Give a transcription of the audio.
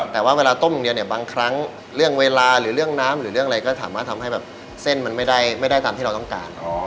แต่ว่าเวลาต้มอย่างเดียวเนี่ยบางครั้งเรื่องเวลาหรือเรื่องน้ำหรือเรื่องอะไรก็สามารถทำให้แบบเส้นมันไม่ได้ตามที่เราต้องการ